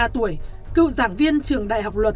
tuổi cựu giảng viên trường đại học luật